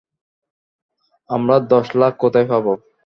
আমরা দশ লাখ কোথায় পাব?